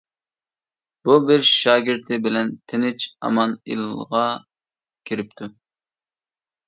بۇ بىر شاگىرتى بىلەن تىنچ-ئامان ئىلىغا كىرىپتۇ.